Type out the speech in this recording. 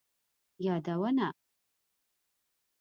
یادونه: